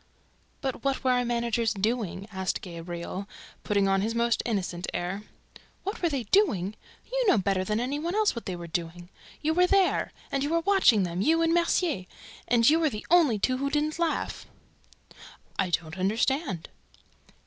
"But what were our managers doing?" asked Gabriel, putting on his most innocent air. "What were they doing? You know better than any one what they were doing! ... You were there! ... And you were watching them, you and Mercier! ... And you were the only two who didn't laugh." "I don't understand!"